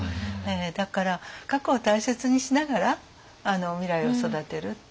だから過去を大切にしながら未来を育てるっていう。